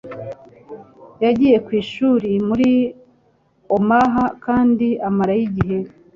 Yagiye ku ishuri muri Omaha kandi amarayo igihe